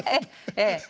ええ。